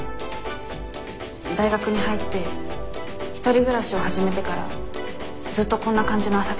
大学に入って１人暮らしを始めてからずっとこんな感じの朝でした。